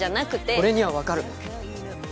俺にはわかる。